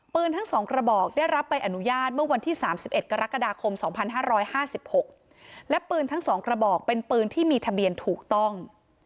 ทั้ง๒กระบอกได้รับใบอนุญาตเมื่อวันที่๓๑กรกฎาคม๒๕๕๖และปืนทั้ง๒กระบอกเป็นปืนที่มีทะเบียนถูกต้อง